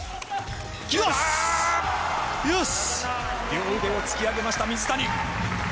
両腕を突き上げました水谷。